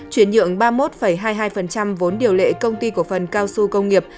chuyển nhượng ba mươi một hai mươi hai vốn điều lệ công ty cổ phần cao su công nghiệp